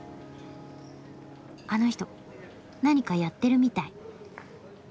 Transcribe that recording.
あの人何かやってるみたい。